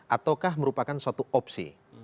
ataukah merupakan suatu opsi